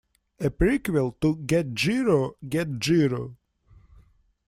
A prequel to Get Jiro!, Get Jiro!